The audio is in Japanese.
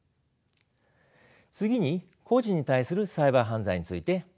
次に個人に対するサイバー犯罪についてお話しします。